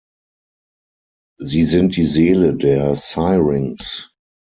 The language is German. Sie sind die Seele der Syrinx.